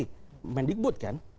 kemen digbud kan